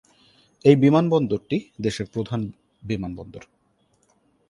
এই বিমান বন্দরটি দেশের প্রধান বিমান বন্দর।